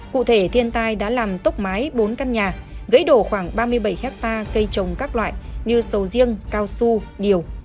cụ thể thiên tai đã làm tốc mái bốn căn nhà gãy đổ khoảng ba mươi bảy hectare cây trồng các loại như sầu riêng cao su điều